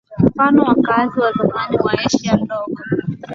mfano wakaazi wa zamani wa Asia Ndogo